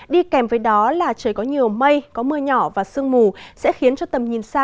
đi kèm với đó là trời có nhiều mây có mưa nhỏ và sương mù sẽ khiến cho tầm nhìn xa